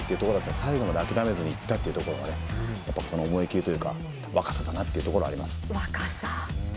最後まで諦めずにやっぱり、この思いきりというか若さだなというところはあります。